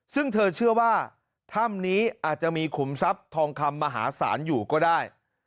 ซึ่งเธอเชื่อว่าถ้ำนี้อาจจะมีขุมทรัพย์ทองคำมหาศาลอยู่ก็ได้